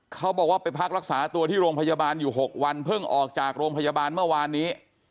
เขาบอกว่าไปพักรักษาตัวที่โรงพยาบาลอยู่๖วันเพิ่งออกจากโรงพยาบาลเมื่อวานนี้